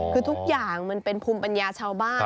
คือทุกอย่างมันเป็นภูมิปัญญาชาวบ้าน